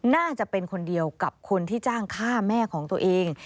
น่าจะเป็นคนเดียวกับคนที่จ้างฆ่าแม่ของตัวเอง